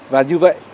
và như vậy